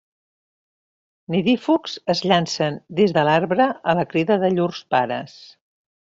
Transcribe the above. Nidífugs, es llancen des de l'arbre a la crida de llurs pares.